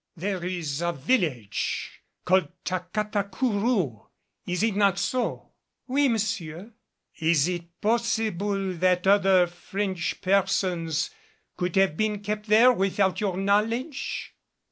"There is a village called Tacatacourou, is it not so?" "Oui, monsieur." "It is possible that other French persons could have been kept there without your knowledge?"